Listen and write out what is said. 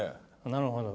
なるほど。